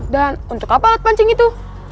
untuk apa alat pancing itu